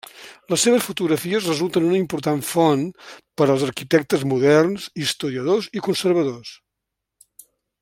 Les seves fotografies resulten una important font per als arquitectes moderns, historiadors i conservadors.